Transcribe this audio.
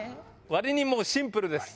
割にもうシンプルです。